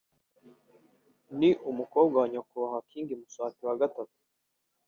ni umukobwa wa nyakubahwa King Muswati lll